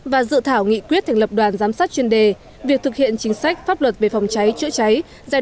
và dự thảo nghị quyết thành lập đoàn giám sát chuyên đề việc thực hiện chính sách pháp luật về phòng cháy chữa cháy